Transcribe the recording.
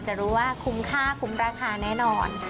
จะรู้ว่าคุ้มค่าคุ้มราคาแน่นอน